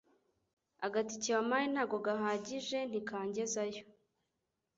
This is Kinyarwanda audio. agatike wampaye ntago gahagije ntikangezayo